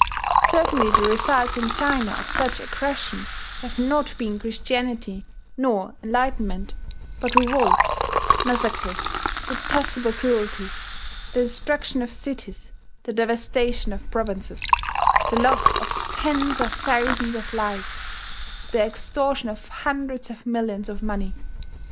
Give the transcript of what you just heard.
Certainly the results in China of such aggression have not been Christianity nor enlightenment, but revolts, massacres, detestable cruelties, the destruction of cities, the devastation of provinces, the loss of tens of thousands of lives, the extortion of hundreds of millions of money.